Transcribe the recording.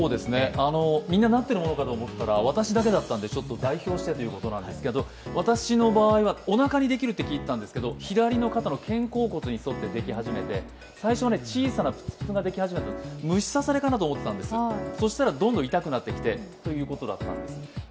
みんななっているものかと思ったら、私だけだったので代表してということなんですけど、私の場合はおなかにできるって聞いていたんですが、左肩の肩甲骨に沿ってできはじめて最初は小さなプツプツができ始めて、虫刺されかなと思ったんですが、そしたらどんどん痛くなってきてということだった。